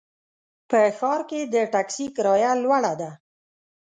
په ښار کې د ټکسي کرایه لوړه ده.